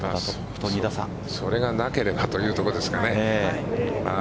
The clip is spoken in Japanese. それがなければというところですね。